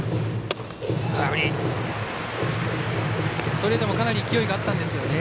ストレートもかなり勢いがあったんですよね。